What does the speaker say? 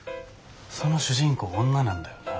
その主人公女なんだよな。